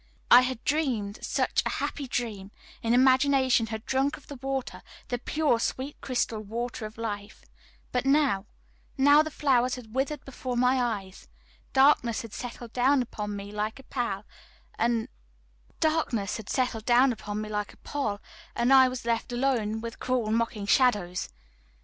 I had dreamed such a happy dream, in imagination had drunk of the water, the pure, sweet crystal water of life, but now now the flowers had withered before my eyes; darkness had settled down upon me like a pall, and I was left alone with cruel mocking shadows.